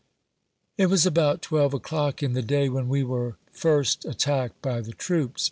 It was about twelve o'clock in the day when we were first attacked by the troops.